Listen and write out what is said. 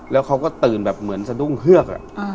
เสร็จตูนแบบเหมือนซะดุ้งเฮือก